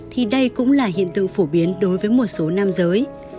thì đây cũng là hiện tượng phổ biến đối với một số nam giới